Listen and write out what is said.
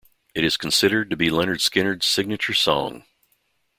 It is considered to be Lynyrd Skynyrd's signature song.